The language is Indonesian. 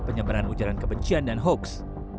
penyebaran ujaran kebencian dan hoaks